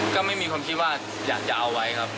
ก็ไม่มีความคิดว่าอยากจะเอาไว้ครับ